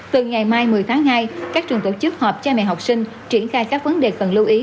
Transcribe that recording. từ ngày mai một mươi tháng hai các trường tổ chức họp cha mẹ học sinh triển khai các vấn đề cần lưu ý